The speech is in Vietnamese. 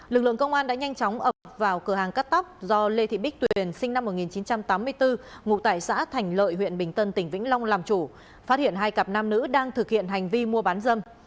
lực lượng công an đã nhanh chóng ập vào cửa hàng cắt tóc do lê thị bích tuyền sinh năm một nghìn chín trăm tám mươi bốn ngụ tại xã thành lợi huyện bình tân tỉnh vĩnh long làm chủ phát hiện hai cặp nam nữ đang thực hiện hành vi mua bán dâm